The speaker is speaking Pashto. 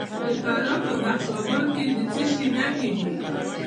د فراه په بخش اباد کې د څه شي نښې دي؟